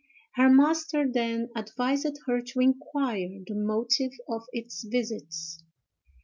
Her master then advised her to inquire the motive of its visits.